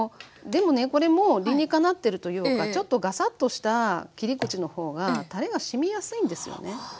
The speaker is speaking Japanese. でもねこれも理にかなってるというかちょっとがさっとした切り口の方がたれがしみやすいんですよね